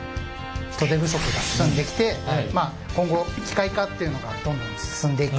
人手不足が進んできてまあ今後機械化っていうのがどんどん進んでいく。